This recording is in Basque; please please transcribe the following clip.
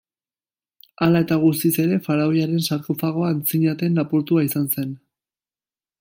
Hala eta guztiz ere, faraoiaren sarkofagoa, antzinatean lapurtua izan zen.